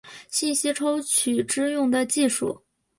信息抽取之用的技术。